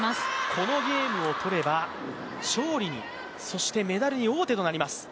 このゲームを取れば、勝利にそしてメダルに王手となります。